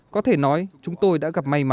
có thể nói chúng tôi đã đạt được một bản nguyên mẫu